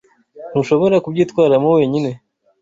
Ntushobora kubyitwaramo wenyine.